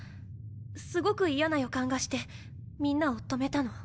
すごく嫌な予感がしてみんなを止めたの。